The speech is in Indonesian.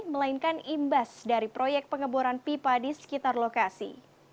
melainkan imbas dari proyek pengeboran pipa di sekitar lokasi